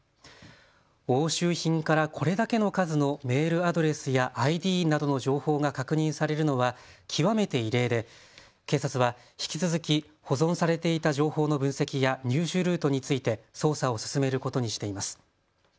押収品からこれだけの数のメールアドレスやＩＤなどの情報が確認されるのは極めて異例で警察は引き続き保存されていた情報の分析や入手ルートについて捜査を進めることにしています。